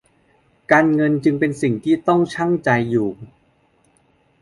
การเงินจึงเป็นสิ่งที่ต้องชั่งใจอยู่